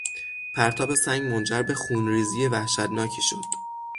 پرتاب سنگ منجر به خونریزی وحشتناکی شد.